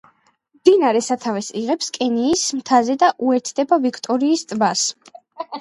მდინარე სათავეს იღებს კენიის მთაზე და უერთდება ვიქტორიის ტბას.